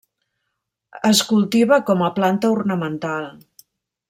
Es cultiva com a planta ornamental.